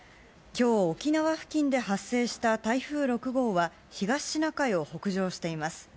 きょう、沖縄付近で発生した台風６号は、東シナ海を北上しています。